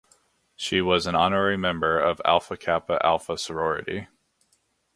She was an honorary member of Alpha Kappa Alpha sorority.